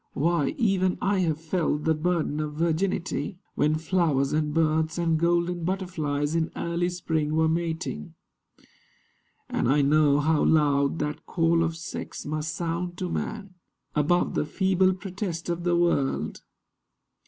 Why, even I Have felt the burden of virginity, When flowers and birds and golden butterflies In early spring were mating; and I know How loud that call of sex must sound to man Above the feeble protest of the world.